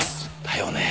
だよね